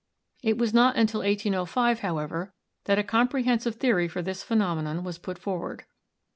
It was not until 1805, however, that a comprehensive theory for this phenomenon was put forward.